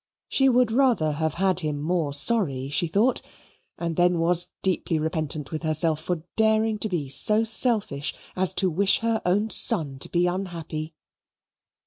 She would rather have had him more sorry, she thought, and then was deeply repentant within herself for daring to be so selfish as to wish her own son to be unhappy.